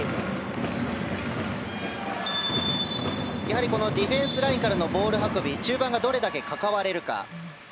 やはりディフェンスラインからのボール運び中盤がどれだけ関われるか。